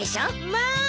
まあ！